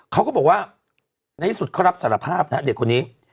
เขาก็บอกว่าในที่สุดเขารับสารภาพนะฮะเด็กคนนี้